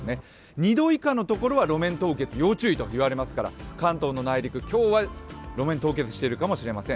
２度以下のところは路面凍結要注意と言われますから、関東の内陸、今日は路面凍結しているかもしれません。